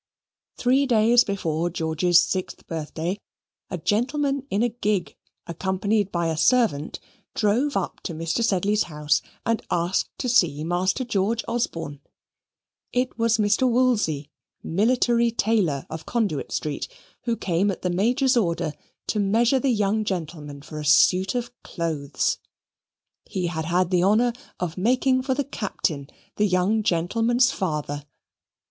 Three days before George's sixth birthday a gentleman in a gig, accompanied by a servant, drove up to Mr. Sedley's house and asked to see Master George Osborne: it was Mr. Woolsey, military tailor, of Conduit Street, who came at the Major's order to measure the young gentleman for a suit of clothes. He had had the honour of making for the Captain, the young gentleman's father.